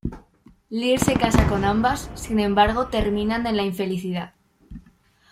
Lir se casa con ambas, sin embargo, terminan en la infelicidad.